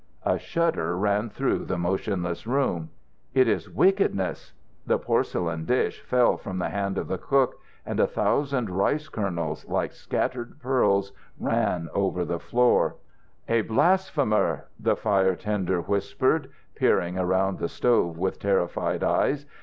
A shudder ran through the motionless room. "It is wickedness!" The porcelain dish fell from the hand of the cook, and a thousand rice kernels, like scattered pearls, ran over the floor. "A blasphemer," the fire tender whispered, peering around the stove with terrified eyes.